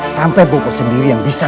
sampai bobot sendiri yang bisa